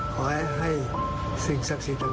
ขอให้เสกสิทธิ